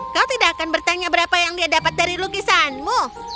kau tidak akan bertanya berapa yang dia dapat dari lukisanmu